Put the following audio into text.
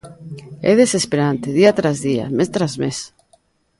É desesperante día tras día, mes tras mes.